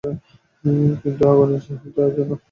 কিন্তু আগুনে ঝাঁপ দেওয়া ছাড়া।